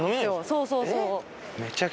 そうそうそう。